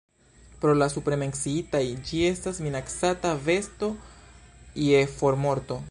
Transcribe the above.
Pro la supre menciitaj, ĝi estas minacata besto je formorto.